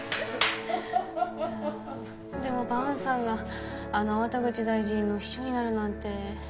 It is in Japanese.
でも萬さんがあの粟田口大臣の秘書になるなんて。